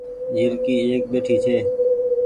جهرڪي ايڪ ٻهٺي ڇي